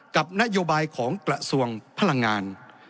กับนโยบายของกระทรวงพลังงาน